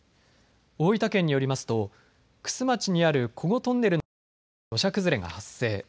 大分県によりますと玖珠町にある古後トンネルの近くで土砂崩れが発生。